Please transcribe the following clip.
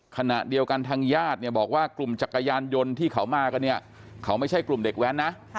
ขณะเดียวกันทางญาติเนี่ยบอกว่ากลุ่มจักรยานยนต์ที่เขามากันเนี่ยเขาไม่ใช่กลุ่มเด็กแว้นนะ